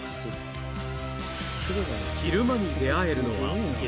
昼間に出会えるのは激